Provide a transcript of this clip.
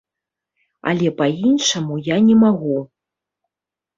Але па-іншаму я не магу.